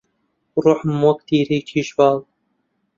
ڕووحم وەک تەیری تیژ باڵ